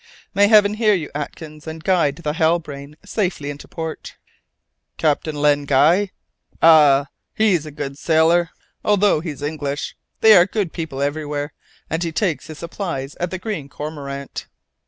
"May Heaven hear you, Atkins, and guide the Halbrane safely into port." "Captain Len Guy? Ah, he's a good sailor, although he's English there are good people everywhere and he takes in his supplies at the Green Cormorant."